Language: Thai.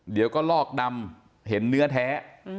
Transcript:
เดี๋ยวก็ลอกดำเห็นเนื้อแท้